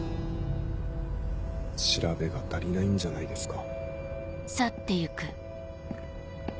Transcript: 調べが足りないんじゃないですか？